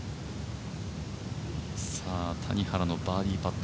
谷原のバーディーパット